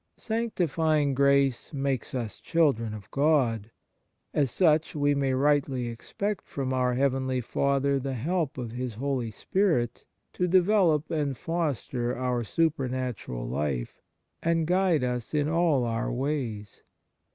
Sanctifying grace makes us children of God; as such we may rightly expect from our heavenly Father the help of His Holy Spirit to develop and foster our super natural life and guide us in all our ways.